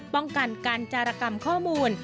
ป้องกันการจารกรรมข้อมูล